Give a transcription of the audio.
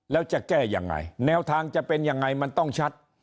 แล้วจะแก้ยังไงแนวทางจะเป็นยังไงมันต้องชัด